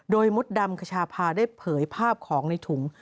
โดยมดดำขชาพาได้เผยภาพของในถุง